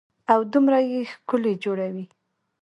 او دومره يې ښکلي جوړوي.